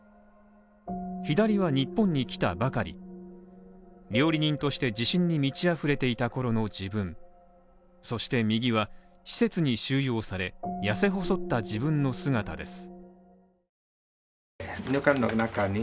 左は日本に来たばかり、料理人として自信に満ち溢れていた頃の自分そして右は施設に収容され、痩せ細った自分の姿です。